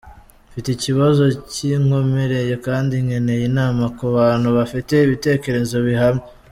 Mfite ikibazo kinkomereye kandi nkeneye inama ku bantu bafite ibitekerezo bihamye.